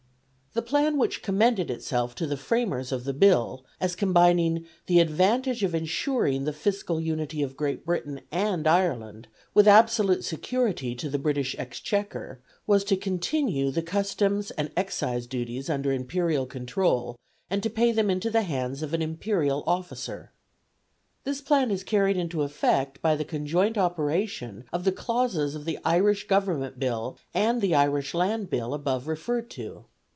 The plan which commended itself to the framers of the Bill, as combining the advantage of insuring the fiscal unity of Great Britain and Ireland, with absolute security to the British exchequer, was to continue the customs and excise duties under imperial control, and to pay them into the hands of an imperial officer. This plan is carried into effect by the conjoint operation of the clauses of the Irish Government Bill and the Irish Land Bill above referred to.